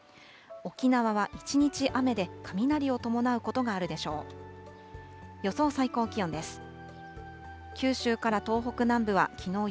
沖縄は一日雨で、雷を伴うことがあるでしょう。